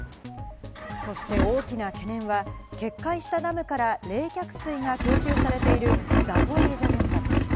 そして大きな懸念は決壊したダムから冷却水が供給されているザポリージャ原発。